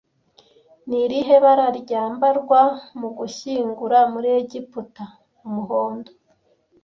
Ni irihe bara ryambarwa mu gushyingura muri Egiputa Umuhondo